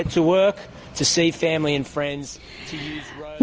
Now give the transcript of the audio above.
untuk bekerja untuk melihat keluarga dan teman